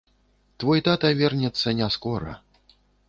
Твой тата вернецца не скора.